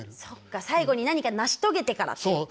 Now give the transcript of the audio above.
そっか最後に何か成し遂げてからって。